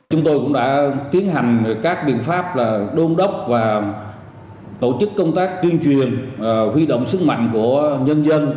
chúng tôi cũng đã tiến hành các biện pháp đôn đốc và tổ chức công tác tuyên truyền huy động sức mạnh của nhân dân